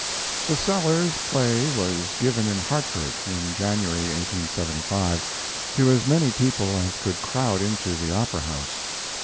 The Sellers play was given in Hartford, in January (1875), to as many people as could crowd into the Opera House.